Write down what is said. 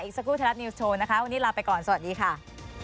สักครู่ไทยรัฐนิวส์โชว์นะคะวันนี้ลาไปก่อนสวัสดีค่ะ